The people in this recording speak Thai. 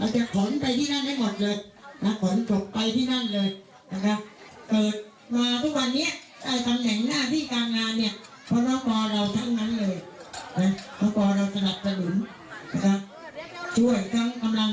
ช่วยทั้งกำลังกายทั้งกำลังหายใจทั้งทุนนะครับทุกอย่าง